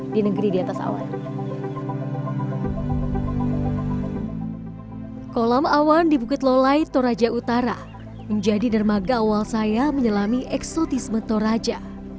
dalam awan di bukit lolai toraja utara menjadi dermaga awal saya menyelami eksotisme toraja